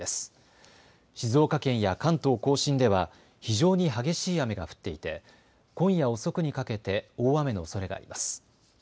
甲信では非常に激しい雨が降っていて今夜遅くにかけて大雨のおそれがあります。